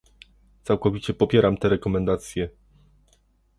Całkowicie popieram te rekomendacje